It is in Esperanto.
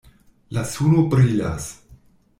La suno brilas.